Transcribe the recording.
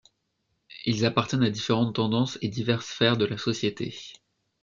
Ils appartiennent à différentes tendances et diverses sphères de la société.